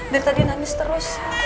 dari tadi nangis terus